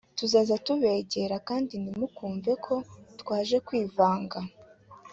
tuzajya tubegera kandi ntimukumve ko twaje kwivanga